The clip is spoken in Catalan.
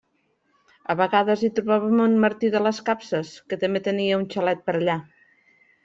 A vegades hi trobàvem en Martí de les capses, que també tenia un xalet per allà.